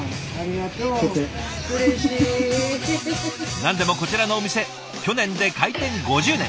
何でもこちらのお店去年で開店５０年。